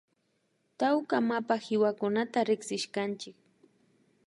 Tawka mapa kiwakunata rikshishkanchik